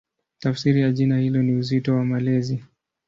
Tafsiri ya jina hilo ni "Uzito wa Malezi".